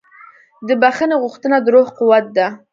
د بښنې غوښتنه د روح قوت ده.